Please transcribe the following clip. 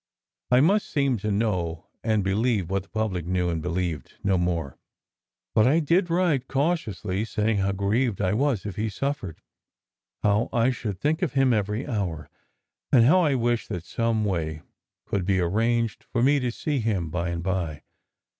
I must seem to know and believe what the public knew and believed, no more. But I did write cautiously, saying how grieved I was if he suffered, how I should think of him every hour, and how I wished that some way might be arranged for me to see him by and by.